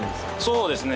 そうですね。